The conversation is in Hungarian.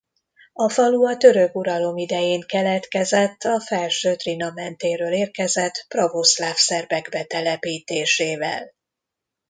A falu a török uralom idején keletkezett a Felső-Drinamentéről érkezett pravoszláv szerbek betelepítésével.